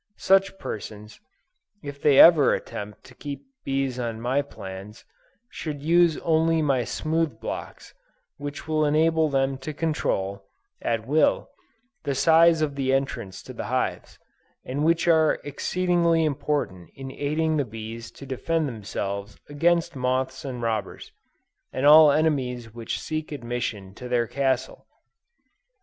Such persons, if they ever attempt to keep bees on my plans, should use only my smooth blocks, which will enable them to control, at will, the size of the entrance to the hives, and which are exceedingly important in aiding the bees to defend themselves against moths and robbers, and all enemies which seek admission to their castle.